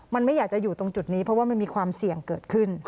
มันไม่อยากจะอยู่ตรงจุดนี้เพราะว่ามันมีความเสี่ยงเกิดขึ้น